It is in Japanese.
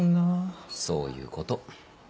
そういうこと。